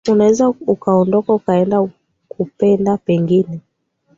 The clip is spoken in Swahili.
Unaweza ukaondoka, ukaenda kupenda pengine